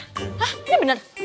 hah ini bener